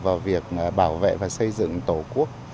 vào việc bảo vệ và xây dựng tổ quốc